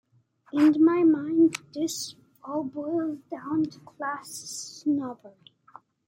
In my mind, this all boils down to class snobbery.